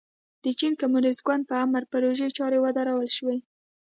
د چین کمونېست ګوند په امر پروژې چارې ودرول شوې.